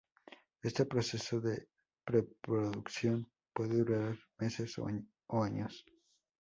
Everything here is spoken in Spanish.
Este proceso de preproducción puede durar meses o años.